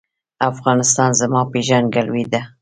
افغانستان زما پیژندګلوي ده